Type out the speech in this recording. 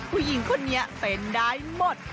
ผู้หญิงคนนี้เป็นได้หมด